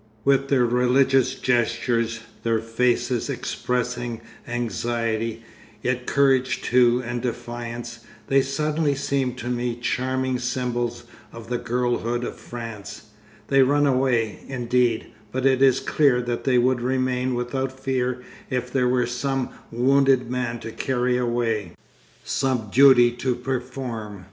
With their religious gestures, their faces expressing anxiety, yet courage too and defiance, they suddenly seem to me charming symbols of the girlhood of France; they run away, indeed, but it is clear that they would remain without fear if there were some wounded man to carry away, some duty to perform.